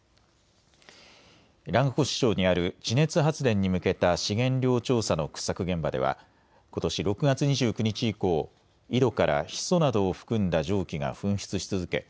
蘭越町にある地熱発電に向けた資源量調査の掘削現場ではことし６月２９日以降、井戸からヒ素などを含んだ蒸気が噴出し続け